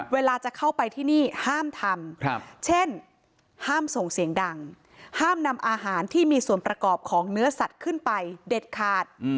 เวลาจะเข้าไปที่นี่ห้ามทำเช่นห้ามส่งเสียงดังห้ามนำอาหารที่มีส่วนประกอบของเนื้อสัตว์ขึ้นไปเด็ดขาด